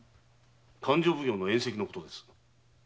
勘定奉行の宴席のことです。